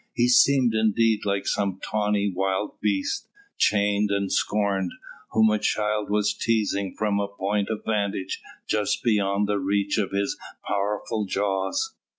He seemed indeed like some tawny wild beast, chained and scorned, whom a child was teasing from a point of vantage just beyond the reach of his powerful jaws.